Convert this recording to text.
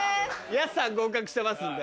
やすさん合格してますんで。